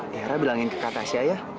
tiara bilangin ke kak tasya ya